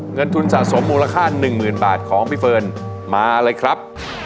เงินทุนสะสมมูลค่า๑๐๐๐บาทของพี่เฟิร์นมาเลยครับ